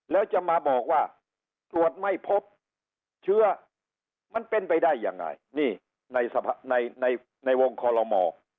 แล้วจะมาบอกว่าตรวจไม่พบเชื้อมันเป็นไปได้ยังไงนี่ในในวงคอลโลมอร์